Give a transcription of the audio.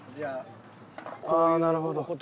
ああなるほど。